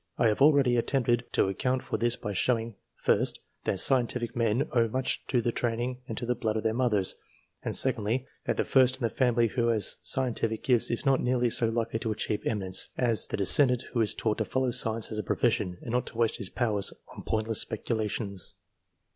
I have already attempted to account for this by showing, first, that scientific men owe much to the training and to the blood of their mothers ; and, secondly, that the first in the family who has scien tific gifts is not nearly so likely to achieve eminence, as the descendant who is taught to follow science as a profession, and not to waste his powers on profitless speculations.